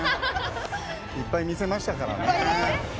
いっぱい見せましたからね。